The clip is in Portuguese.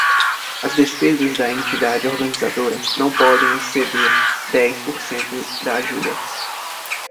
As despesas da entidade organizadora não podem exceder dez por cento da ajuda.